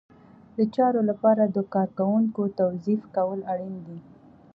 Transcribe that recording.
د چارو لپاره د کارکوونکو توظیف کول اړین دي.